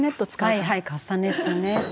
「はいはいカスタネットね」